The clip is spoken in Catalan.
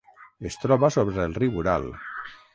Es troba sobre el riu Ural.